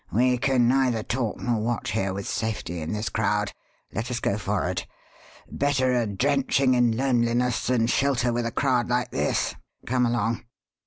"We can neither talk nor watch here with safety in this crowd. Let us go 'forrard.' Better a drenching in loneliness than shelter with a crowd like this. Come along!"